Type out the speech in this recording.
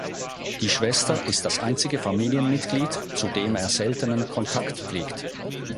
Die Schwester ist das einzige Familienmitglied, zu dem er seltenen Kontakt pflegt.